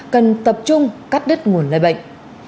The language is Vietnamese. cần tập trung cắt đứt nguồn lợi bệnh